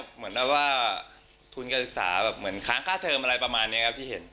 เหมือนแบบว่าทุนการศึกษาแบบเหมือนค้างค่าเทอมอะไรประมาณนี้ครับที่เห็น